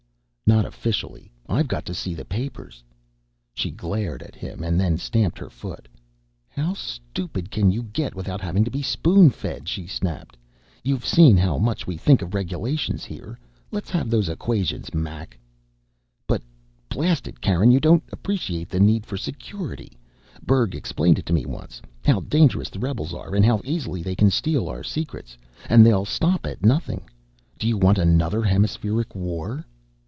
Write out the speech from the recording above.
"Not officially. I've got to see the papers." She glared at him then and stamped her foot. "How stupid can you get without having to be spoon fed?" she snapped. "You've seen how much we think of regulations here. Let's have those equations, Mac." "But blast it, Karen, you don't appreciate the need for security. Berg explained it to me once how dangerous the rebels are, and how easily they can steal our secrets. And they'll stop at nothing. Do you want another Hemispheric War?"